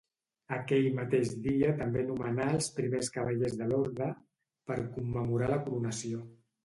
Aquell mateix dia també nomenà els primers cavallers de l'orde, per commemorar la coronació.